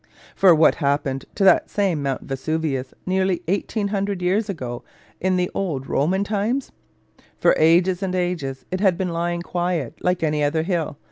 For what happened to that same Mount Vesuvius nearly 1800 years ago, in the old Roman times? For ages and ages it had been lying quiet, like any other hill.